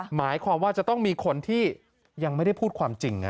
หมายความว่าจะต้องมีคนที่ยังไม่ได้พูดความจริง